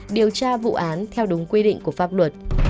điều tra vụ án theo đúng quy định của pháp luật